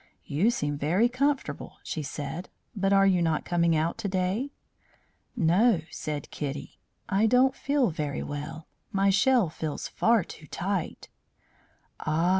"You seem very comfortable," she said; "but are you not coming out to day?" "No," said Kitty; "I don't feel very well. My shell feels far too tight." "Ah!